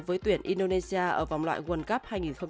với tuyển indonesia ở vòng loại world cup